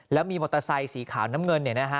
แล้วมีมอเตอร์ไซด์สีขาวน้ำเงินเนี่ยนะฮะ